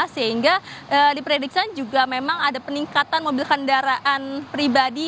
sehingga diprediksi juga memang ada peningkatan mobil kendaraan pribadi